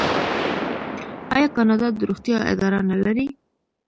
آیا کاناډا د روغتیا اداره نلري؟